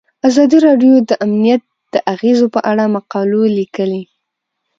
ازادي راډیو د امنیت د اغیزو په اړه مقالو لیکلي.